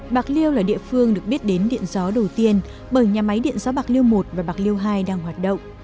bạc liêu là địa phương được biết đến điện gió đầu tiên bởi nhà máy điện gió bạc liêu một và bạc liêu hai đang hoạt động